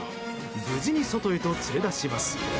無事に外へと連れ出します。